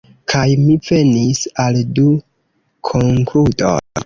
Kaj mi venis al du konkludoj.